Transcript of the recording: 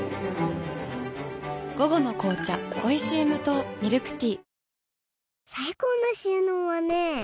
午後の紅茶おいしい無糖ミルクティー